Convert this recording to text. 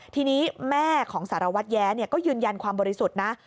ทีนี้แม่ของสารวัตรแย้ก็ยืนยันความบริสุทธิ์นะ